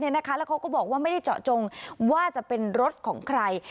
แล้วเขาก็บอกว่าไม่ได้เจาะจงว่าจะเป็นรถของใคร